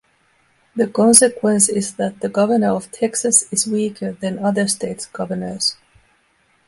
The consequence is that the Governor of Texas is weaker than other states' governors.